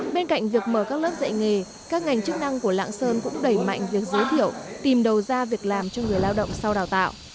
bên cạnh việc mở các lớp dạy nghề các ngành chức năng của lạng sơn cũng đẩy mạnh việc giới thiệu tìm đầu ra việc làm cho người lao động sau đào tạo